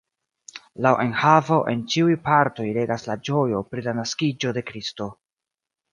Laŭ enhavo en ĉiuj partoj regas la ĝojo pri la naskiĝo de Kristo.